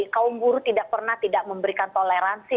kaum buruh tidak pernah tidak memberikan toleransi